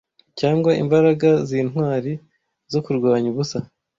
cyangwa imbaraga zintwari zo kurwanya ubusa